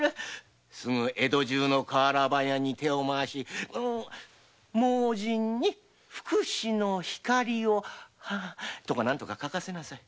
すぐ江戸中のカワラ版屋に手をまわし「盲人に福祉の光を」とか何とか書かせなさい。